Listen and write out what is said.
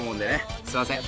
すいません。